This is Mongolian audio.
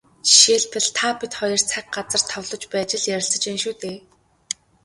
Жишээлбэл, та бид хоёр цаг, газар товлож байж л ярилцаж байна шүү дээ.